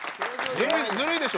ずるいでしょ。